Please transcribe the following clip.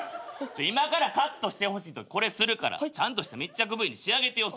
今からカットしてほしいときこれするからちゃんとした密着Ｖに仕上げてよ訳分からへんから。